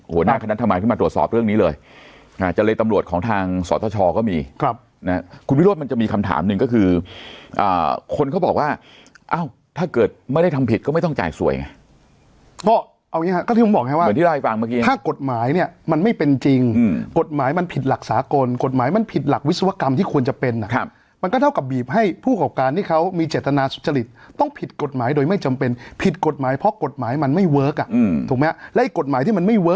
หัวหน้าคณะธรรมัยมาตรวจสอบเรื่องนี้เลยอ่าจริยตำรวจของทางสอทชก็มีครับน่ะคุณวิรวธมันจะมีคำถามหนึ่งก็คืออ่าคนเขาบอกว่าเอ้าถ้าเกิดไม่ได้ทำผิดก็ไม่ต้องจ่ายสวยไงอ่อเอาอย่างงี้ค่ะก็ที่ผมบอกให้ว่าเหมือนที่เราให้ฟังเมื่อกี้ถ้ากฎหมายเนี่ยมันไม่เป็นจริงอื